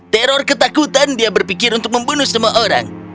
teror ketakutan dia berpikir untuk membunuh semua orang